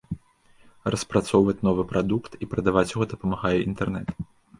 Распрацоўваць новы прадукт і прадаваць яго дапамагае інтэрнэт.